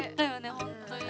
本当に。